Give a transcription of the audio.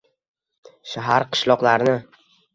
Shahar qishloqlarni